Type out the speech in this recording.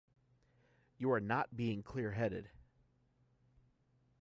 You are not being clear-headed.